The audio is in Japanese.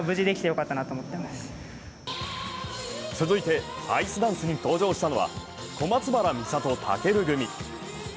続いて、アイスダンスに登場したのは小松原美里・尊組。